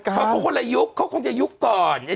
เขาคนละยุคเขาคงจะยุคก่อน